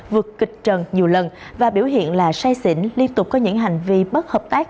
vượt kịch trần nhiều lần và biểu hiện là sai xỉn liên tục có những hành vi bất hợp tác